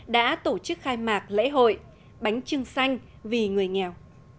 đã tổ chức khai mạc lễ hội bánh trưng xanh vì người nghèo